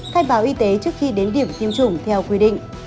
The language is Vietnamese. khai báo y tế trước khi đến điểm tiêm chủng theo quy định